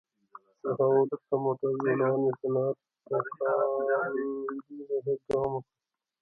له هغه وروسته موټر جوړونې صنعت تکاملي بهیر دوام وکړ.